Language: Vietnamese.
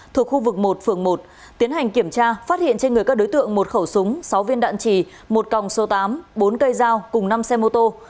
thuộc khu vực một phường một tiến hành kiểm tra phát hiện trên người các đối tượng một khẩu súng sáu viên đạn trì một còng số tám bốn cây dao cùng năm xe mô tô